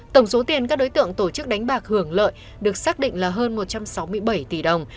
tổng số tiền các đối tượng tổ chức đánh bạc hưởng lợi được xác định là hơn một trăm sáu mươi bảy tỷ đồng